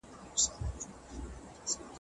هغه په مېړانه د حق لاره ونیوله.